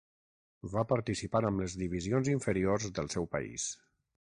Va participar amb les divisions inferiors del seu país.